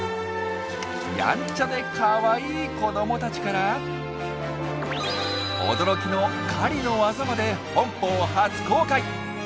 やんちゃでかわいい子どもたちから驚きの狩りの技まで本邦初公開！